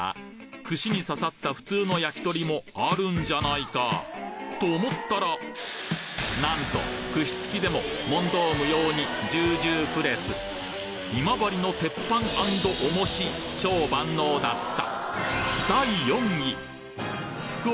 串に刺さった普通の焼き鳥もあるんじゃないかと思ったら何と串付きでも問答無用にジュージュープレス今治の鉄板＆重し超万能だった！